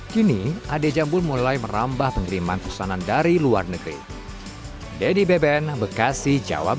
kini ade jambul mulai merambah penerimaan pesanan dari luar negeri